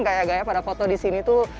kayak gaya pada foto di sini tuh